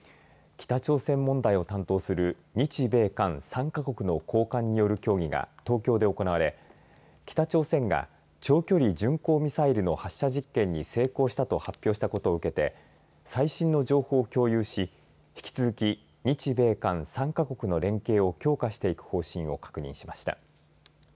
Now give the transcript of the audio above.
北朝鮮問題を担当する日米韓３か国の高官による協議が東京で行われ北朝鮮が長距離巡航ミサイルの発射実験に成功したと発表したことを受けて最新の情報を共有し引き続き、日米韓３か国の連携を強化していく方針を確認しました。